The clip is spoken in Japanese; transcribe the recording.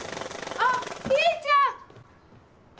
あっピーちゃん。